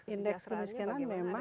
indeks kemiskinan memang